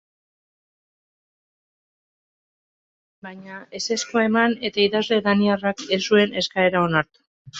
Baina, ezezkoa eman eta idazle daniarrak ez zuen eskaera onartu.